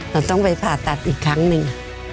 เราต้องไปผ่าตัดอีกครั้งหนึ่ง